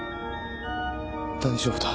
大丈夫だ。